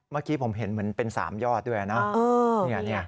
เมื่อกี้ผมเห็นเหมือนเป็น๓ยอดด้วยนะ